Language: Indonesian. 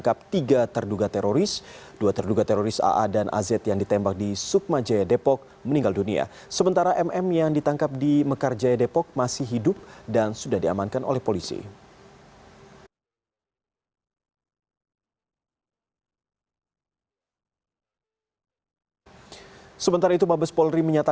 kedua terduga teroris juga pernah mengikuti pelatihan